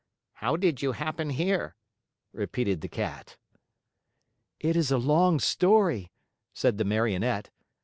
"How did you happen here?" repeated the Cat. "It is a long story," said the Marionette.